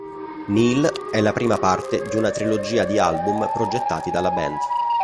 Nihil è la prima parte di una trilogia di album progettati dalla band.